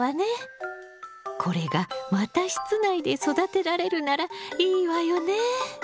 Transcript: これがまた室内で育てられるならいいわよね！